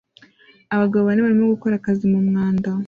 Abagabo bane barimo gukora akazi mumwanda